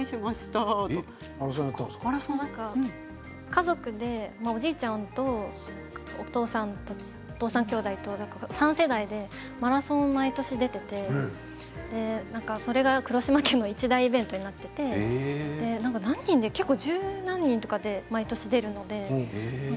家族で、おじいちゃんとお父さんきょうだいと３世代でマラソンに毎年出ていてそれが黒島家の一大イベントになっていて十何人で毎年出るんです。